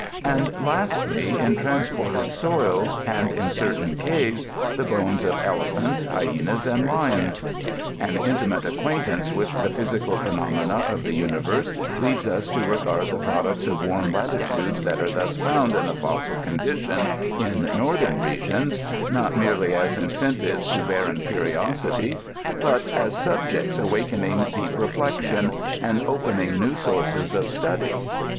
t and, lastly, in transported soiLs, and in certain caves, the bones of elephants, hyenas, and lions. An intimate acquaintance with the physical phenomena of the universe leads us to regard the products of warm latitudes that are thus found in a fossil condition in northern regions not merely as incentives to barren curiosity, but as subjects awakening deep reflection, and opening new sources of study.